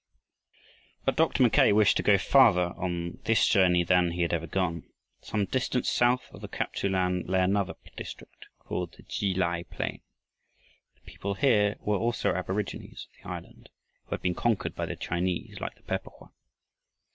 But Dr. Mackay wished to go farther on this journey than he had ever gone. Some distance south of Kap tsu lan lay another district called the Ki lai plain. The people here were also aborigines of the island who had been conquered by the Chinese like the Pepo hoan.